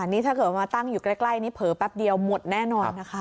นี่ถ้าเกิดว่ามาตั้งอยู่ใกล้นี้เผลอแป๊บเดียวหมดแน่นอนนะคะ